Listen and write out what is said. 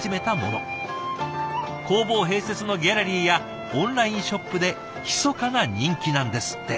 工房併設のギャラリーやオンラインショップでひそかな人気なんですって。